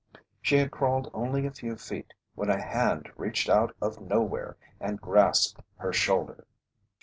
She had crawled only a few feet, when a hand reached out of nowhere and grasped her shoulder.